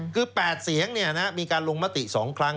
คือ๘เสียงมีการลงมติ๒ครั้ง